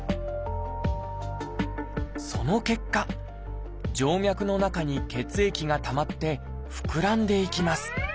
その結果静脈の中に血液がたまって膨らんでいきます。